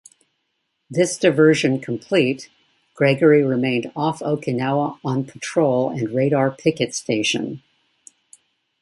This diversion complete, "Gregory" remained off Okinawa on patrol and radar picket station.